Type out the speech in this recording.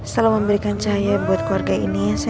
selalu memberikan cahaya buat keluarga ini ya sayangnya